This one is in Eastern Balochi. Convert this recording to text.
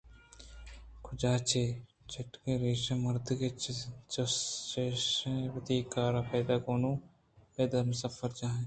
کجا چے ؟چُٹکّ ریشیں مردک ءَ جُست کُت وتی کارءَ پیداکاں انوں پدا مسافرجاہ ءِ نیمگءَ رواں